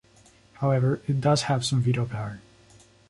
However, it does have some veto power.